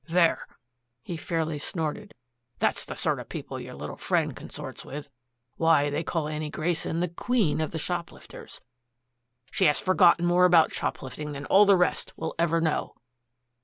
"There!" he fairly snorted. "That's the sort of people your little friend consorts with. Why, they call Annie Grayson the queen of the shoplifters. She has forgotten more about shoplifting than all the rest will ever know."